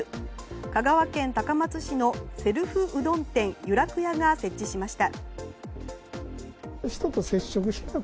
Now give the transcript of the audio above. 香川県高松市のセルフうどん店愉楽家が設置しました。